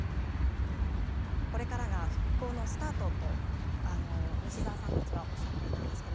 これからが復興のスタートと西澤さんたちはそうおっしゃっていました。